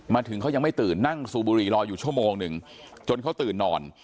มาถึงเขายังไม่ตื่นนั่งสูบบุรีรออยู่ชั่วโมงหนึ่งจนเขาตื่นนอน